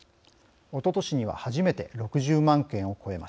おととしには初めて６０万件を超えました。